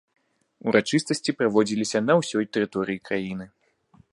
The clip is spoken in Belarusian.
Урачыстасці праводзіліся на ўсёй тэрыторыі краіны.